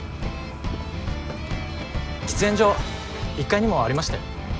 喫煙所１階にもありましたよ